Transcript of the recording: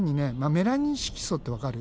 メラニン色素ってわかる？